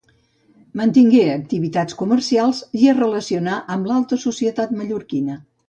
Mantingué activitats comercials i es relacionà amb l'alta societat mallorquina.